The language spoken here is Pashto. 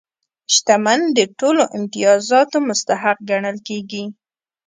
شتمن د ټولو امتیازاتو مستحق ګڼل کېږي.